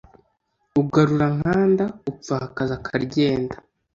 Ugarura Nkanda upfakaza Karyenda.